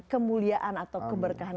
kemuliaan atau keberkahan